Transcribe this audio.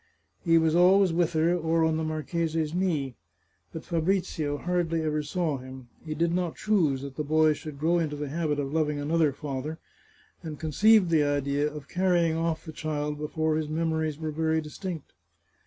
He was al ways with her, or on the marchese's knee. But Fabrizio hardly ever saw him. He did not choose that the boy should grow into the habit of loving another father, and conceived the idea of carrying off the child before his memories were very distinct.